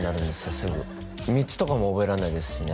すぐ道とかも覚えらんないですしね